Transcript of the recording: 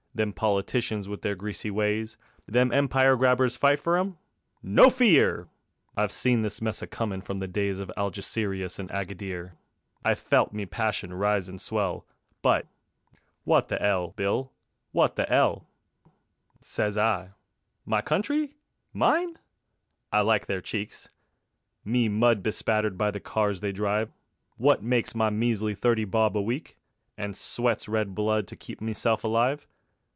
Them politicians with their greasy ways; Them empire grabbers fight for 'em? No fear! I've seen this mess a comin' from the days Of Algyserious and Aggydear: I've felt me passion rise and swell, But ... wot the 'ell, Bill? Wot the 'ell? Sez I: My Country? Mine? I likes their cheek. Me mud bespattered by the cars they drive, Wot makes my measly thirty bob a week, And sweats red blood to keep meself alive!